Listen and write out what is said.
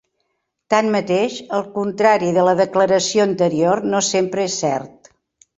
Tanmateix, el contrari de la declaració anterior no sempre és cert.